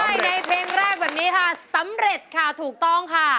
ใช่ในเพลงแรกแบบนี้ค่ะสำเร็จค่ะถูกต้องค่ะ